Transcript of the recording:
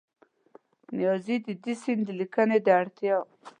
نیازي د دې سیند د لیکنې د اړتیا